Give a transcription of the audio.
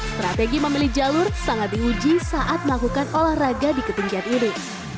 strategi memilih jalur sangat diuji saat melakukan olahraga di ketinggian ini